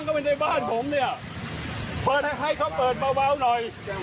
ก็เปิดเพื่อให้เขาเปิดแรงของนักที่สูจน์ของผม